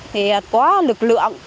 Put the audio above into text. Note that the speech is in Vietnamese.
thì có lực lượng